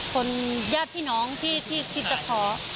คนญาติพี่น้องที่ตะคอ